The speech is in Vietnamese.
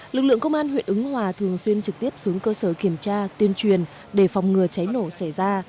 lực lượng công an huyện ứng hòa thường xuyên trực tiếp xuống cơ sở kiểm tra tuyên truyền để phòng ngừa cháy nổ xảy ra